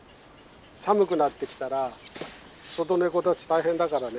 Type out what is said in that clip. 寒くなってきたら外ネコたち大変だからね